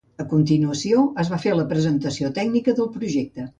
A continuació es va fer la presentació tècnica del projecte.